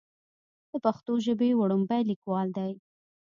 د پښتو ژبې وړومبے ليکوال دی